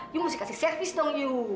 lu mesti kasih servis dong lu